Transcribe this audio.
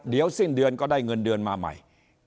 เดี๋ยวสิ้นเดือนก็ได้เงินเดือนมาใหม่